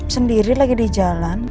sendiri lagi di jalan